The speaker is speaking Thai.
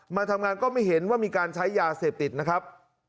มาทำงานก็ไม่เห็นว่ามีการใช้ยาเสพติดนะครับ